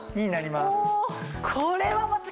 これはまた。